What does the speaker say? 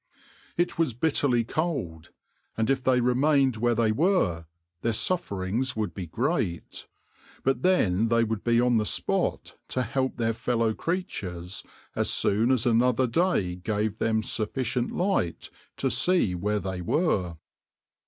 It was bitterly cold, and if they remained where they were their sufferings would be great; but then they would be on the spot to help their fellow creatures as soon as another day gave them sufficient light to see where they were.